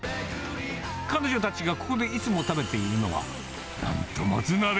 彼女たちがここでいつも食べているのは、なんと、もつ鍋。